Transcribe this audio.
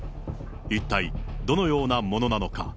一体、どのようなものなのか。